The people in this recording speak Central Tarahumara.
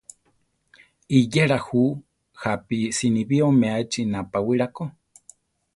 Iyéla ju jápi sinibí omeachi napawíla ko.